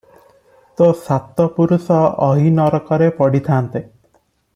ତୋ ସାତ ପୁରୁଷ ଅହିନରକରେ ପଡ଼ିଥାନ୍ତେ ।